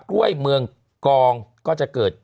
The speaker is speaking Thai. กล้วยเมืองกองก็จะเกิด